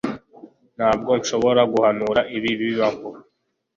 Ntabwo nashoboraga guhanura ibi bibaho